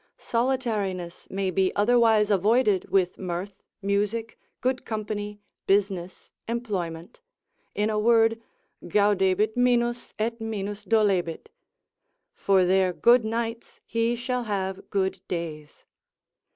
Solitariness may be otherwise avoided with mirth, music, good company, business, employment; in a word, Gaudebit minus, et minus dolebit; for their good nights, he shall have good days.